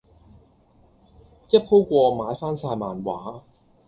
一鋪過買翻曬漫畫